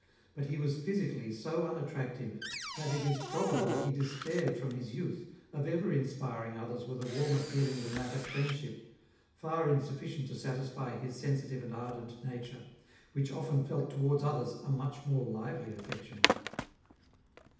But he was physically so unattractive that it is probable he despaired from his youth of ever inspiring others with a warmer feeling than that of friendship, far insufficient to satisfy his sensitive and ardent nature, which often felt towards others a much more lively affection.